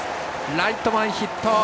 ライト前ヒット。